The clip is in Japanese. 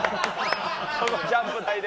このジャンプ台で？